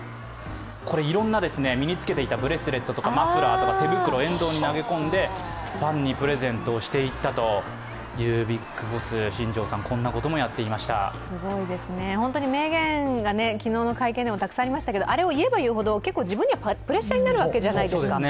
いろんな身に付けていたブレスレットとか手袋、マフラーを沿道に投げ込んで、ファンにプレゼントをしていったというビッグボス、名言が昨日の会見でもたくさんありましたけどあれを言えば言うほど自分ではプレッシャーになるわけじゃないですか。